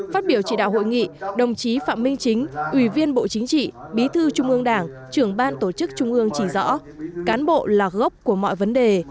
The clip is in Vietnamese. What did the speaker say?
phát biểu chỉ đạo hội nghị đồng chí phạm minh chính ủy viên bộ chính trị bí thư trung ương đảng trưởng ban tổ chức trung ương chỉ rõ cán bộ là gốc của mọi vấn đề